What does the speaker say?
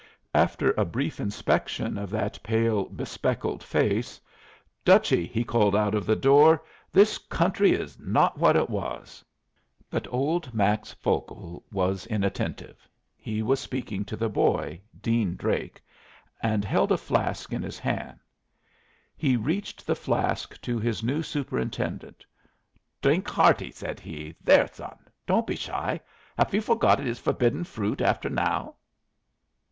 After a brief inspection of that pale, spectacled face, "Dutchy," he called out of the door, "this country is not what it was." But old Max Vogel was inattentive. He was speaking to the boy, Dean Drake, and held a flask in his hand. He reached the flask to his new superintendent. "Drink hearty," said he. "There, son! Don't be shy. Haf you forgot it is forbidden fruit after now?"